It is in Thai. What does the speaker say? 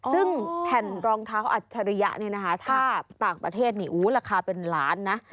ซึ่งแผ่นรองเท้าอัจฉริยะเนี่ยนะคะถ้าต่างประเทศราคาเป็นล้านนะ